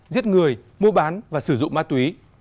giết người mua bán và sử dụng ma túy